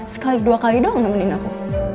sekali dua kali doang nemenin aku